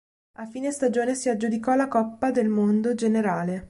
A fine stagione si aggiudicò la Coppa del Mondo generale.